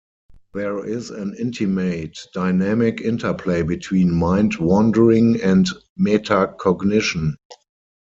There is an intimate, dynamic interplay between mind wandering and metacognition.